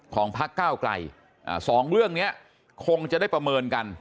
พักก้าวไกลสองเรื่องนี้คงจะได้ประเมินกัน